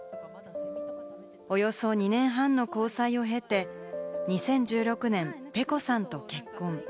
およそ２年半の交際を経て、２０１６年、ｐｅｃｏさんと結婚。